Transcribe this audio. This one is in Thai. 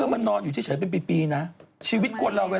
มันรู้จากเอเอฟมันเป็นร้องพี่ทักร้องไว้